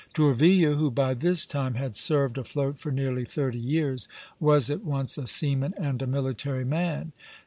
Tourville, who by this time had served afloat for nearly thirty years, was at once a seaman and a military man.